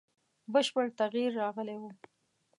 بشپړ تغییر راغلی وو.